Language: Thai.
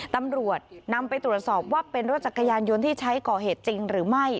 ตำรวจนำไปตรวจสอบว่าเป็นรถจักรยานยนต์ที่ใช้ก่อเหตุจริงหรือไม่